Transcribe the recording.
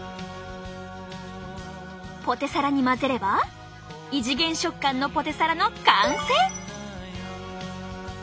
ポテサラに混ぜれば異次元食感のポテサラの完成！